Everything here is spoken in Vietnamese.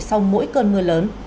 sau mỗi cơn mưa lớn